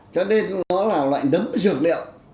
cho nên nó là loại nấm dược liệu